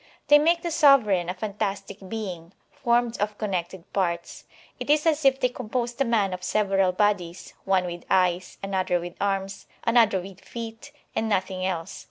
They make the sover eign a fantastic being, formed of connected parts; it is as if they composed a man of several bodies, one with eyes, another with arms, another with feet, and nothing else.